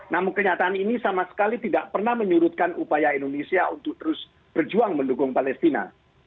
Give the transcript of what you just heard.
namun kenyataan ini sama sekali tidak pernah menyurutkan upaya indonesia untuk terus berjuang mendukung palestina